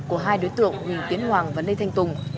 của hai đối tượng huỳnh tiến hoàng và lê thanh tùng